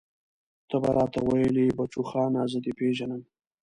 ته به راته ويلې بچوخانه زه دې پېژنم.